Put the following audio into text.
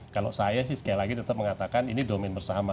kalau saya sih sekali lagi tetap mengatakan ini domen bersama